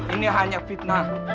ini hanya fitnah